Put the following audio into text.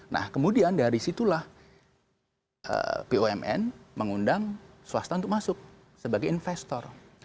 nah kemudian dari situlah bumn mengundang swasta untuk masuk sebagai investor